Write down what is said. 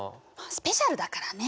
スペシャルだからね。